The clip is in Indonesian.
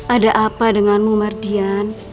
ada apa denganmu mardian